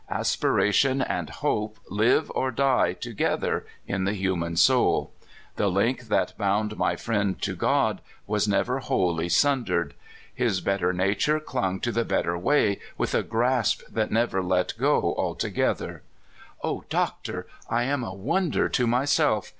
Aspira tion and hope live or die together in the human soul. The link that bound my friend to God was never wholly sundered. His better nature clung to the better way with a grasp that never let go altogether. "O Doctor, I am a wonder to myself!